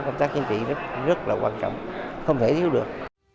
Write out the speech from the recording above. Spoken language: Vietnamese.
công tác chính trị rất là quan trọng không thể thiếu được